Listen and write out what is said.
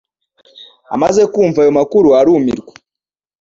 Amaze kumva ayo makuru arumirwa